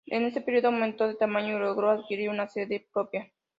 En este periodo aumentó de tamaño y logró adquirir una sede propia.